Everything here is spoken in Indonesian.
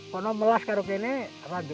kalau melas kalau begini